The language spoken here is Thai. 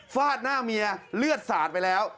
ฟาดหน้าเมียเลือดสาดไปแล้ว